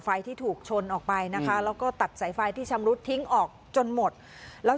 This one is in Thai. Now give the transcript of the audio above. แต่กลับไม่ได้ชนอะคัยใช่ไหมไม่ได้ชนอะคัยเลยอ๋อ